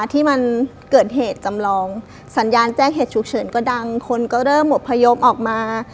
แก้เหตุฉุกเฉินก็ดังคนก็เริ่มอบพยมออกมา